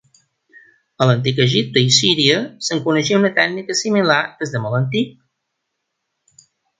A l'antic Egipte i Síria se'n coneixia una tècnica similar des de molt antic.